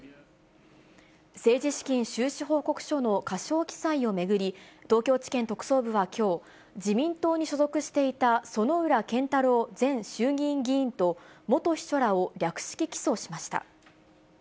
政治資金収支報告書の過少記載を巡り、東京地検特捜部はきょう、自民党に所属していた薗浦健太郎前衆議院議員と、元秘書らを略式起訴しました。